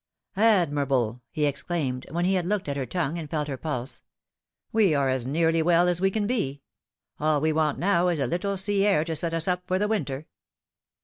" Admirable I" he exclaimed, when he had looked at her tongue and felt her pulse ;" we are as nearly well as we can b. All we want now is a little sea air to set us up for the winter.